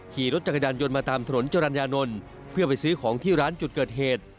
ขี่รถจักรยานยนต์มาตามถนนจรรยานนท์เพื่อไปซื้อของที่ร้านจุดเกิดเหตุ